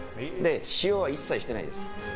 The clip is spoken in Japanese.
塩は一切してないです。